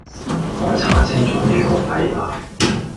我查清楚你個底啦